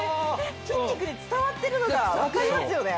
筋肉に伝わってるのが分かりますよね。